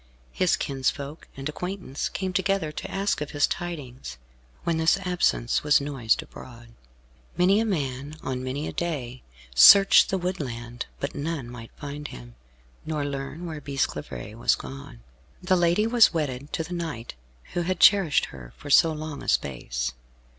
His kinsfolk and acquaintance came together to ask of his tidings, when this absence was noised abroad. Many a man, on many a day, searched the woodland, but none might find him, nor learn where Bisclavaret was gone. The lady was wedded to the knight who had cherished her for so long a space.